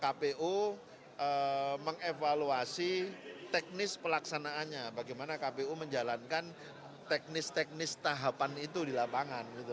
kpu mengevaluasi teknis pelaksanaannya bagaimana kpu menjalankan teknis teknis tahapan itu di lapangan